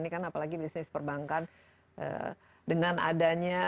ini kan apalagi bisnis perbankan dengan adanya